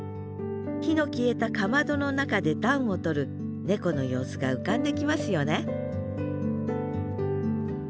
火の消えた竈の中で暖をとる猫の様子が浮かんできますよね